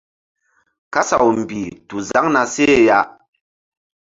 Kasaw mbih tu zaŋ na seh ya.